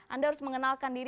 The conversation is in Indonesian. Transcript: anda harus mengenalkan diri